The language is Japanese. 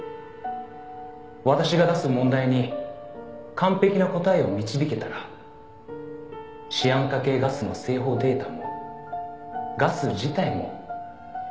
「私が出す問題に完璧な答えを導けたらシアン化系ガスの製法データもガス自体も全て破棄しよう」